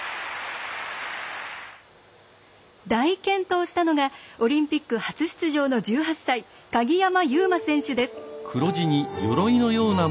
大健闘したのがオリンピック初出場の１８歳鍵山優真選手です。